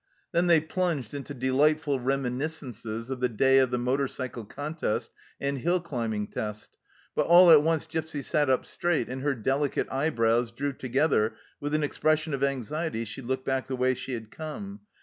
Then they plunged into delightful reminiscences of the day of the motor cycle contest and hill climbing test, but all at once Gipsy sat up straight, and her delicate eyebrows drew together with an expression of anxiety as she looked back the way she had come.